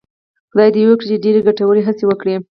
خدای دې وکړي چې ډېرې ګټورې هڅې وکړي.